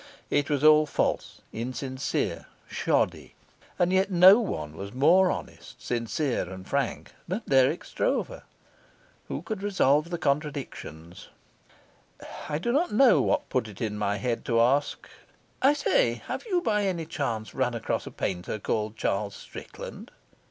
It was all false, insincere, shoddy; and yet no one was more honest, sincere, and frank than Dirk Stroeve. Who could resolve the contradiction? I do not know what put it into my head to ask: "I say, have you by any chance run across a painter called Charles Strickland?"